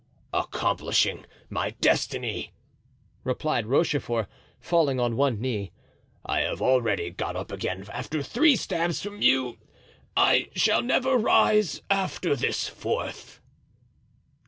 "Accomplishing my destiny," replied Rochefort, falling on one knee. "I have already got up again after three stabs from you, I shall never rise after this fourth."